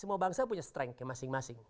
semua bangsa punya strengthnya masing masing